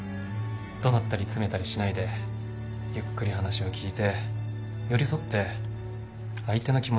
怒鳴ったり詰めたりしないでゆっくり話を聞いて寄り添って相手の気持ちになって。